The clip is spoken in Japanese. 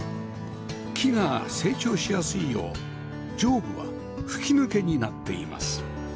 木が成長しやすいよう上部は吹き抜けになっています